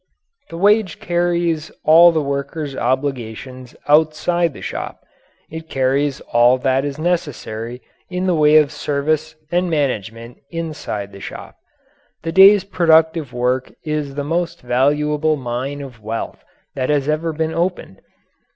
The wage carries all the worker's obligations outside the shop; it carries all that is necessary in the way of service and management inside the shop. The day's productive work is the most valuable mine of wealth that has ever been opened.